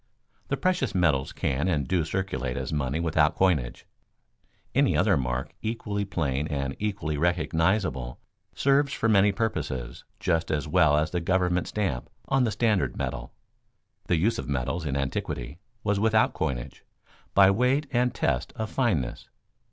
_ The precious metals can and do circulate as money without coinage. Any other mark equally plain and equally recognizable serves for many purposes just as well as the government stamp on the standard metal. The use of metals in antiquity was without coinage, by weight and test of fineness.